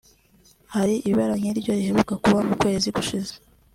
Hari ibara nk’iryo riheruka kuba mu kwezi gushize